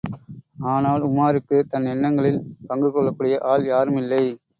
ஆனால், உமாருக்குத் தன் எண்ணங்களில் பங்கு கொள்ளக் கூடிய ஆள் யாரும் இல்லை.